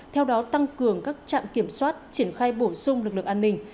theo đó tăng cường các trạm kiểm soát triển khai bổ sung lực lượng an ninh